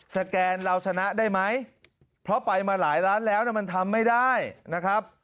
แกนเราชนะได้ไหมเพราะไปมาหลายล้านแล้วมันทำไม่ได้นะครับ